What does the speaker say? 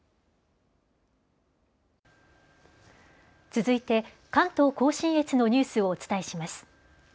続いて関東甲信越のニュースをお伝えします。